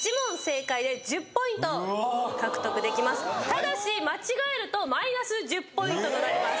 ただし間違えるとマイナス１０ポイントとなります。